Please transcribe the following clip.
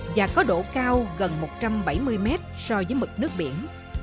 và có độ cao gần một trăm bảy mươi mét so với mực nước biển